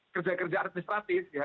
kerja kerja administratif ya